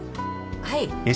はい。